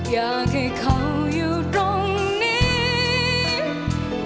อยากให้เขาอยู่ตรงนี้